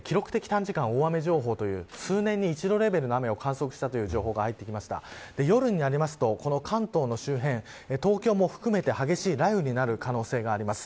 短時間大雨情報という数年に一度レベルの大雨を観測したという情報が入ってきまして夜になると関東の周辺、東京も含めて激しい雷雨になる可能性があります。